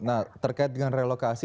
nah terkait dengan relokasi